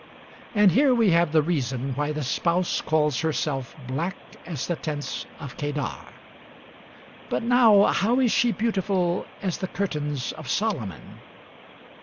And here we have the reason why the spouse calls herself black as the tents of Kedar. But now, how is she beautiful as the curtains of Solomon?